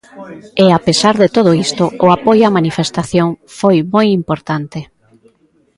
E a pesar de todo isto o apoio á manifestación foi moi importante.